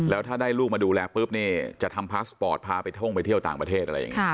แล้วถ้าได้ลูกมาดูแลปุ๊บเนี่ยจะทำพาสปอร์ตพาไปท่องไปเที่ยวต่างประเทศอะไรอย่างนี้